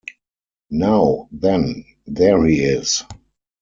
Now, then, there he is!